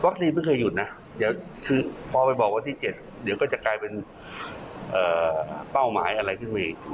คือพอไปบอกว่าที่๗เดี๋ยวก็จะกลายเป็นเป้าหมายอะไรขึ้นมาอีก